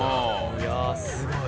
いやあすごい！